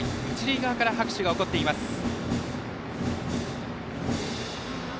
一塁側から拍手が起こっています。